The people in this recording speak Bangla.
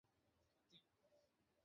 সব আমার ছেলে করেছে।